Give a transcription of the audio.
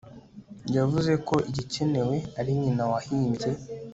Yavuze ko igikenewe ari nyina wahimbye